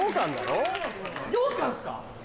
ようかんっすか？